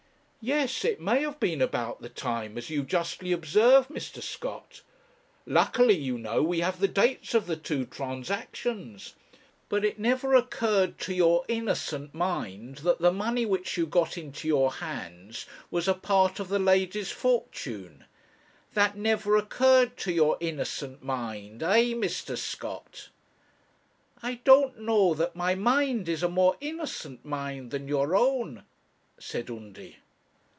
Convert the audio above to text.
'Yes; it may have been about the time, as you justly observe, Mr. Scott. Luckily, you know, we have the dates of the two transactions. But it never occurred to your innocent mind that the money which you got into your hands was a part of the lady's fortune; that never occurred to your innocent mind eh, Mr. Scott?' 'I don't know that my mind is a more innocent mind than your own,' said Undy.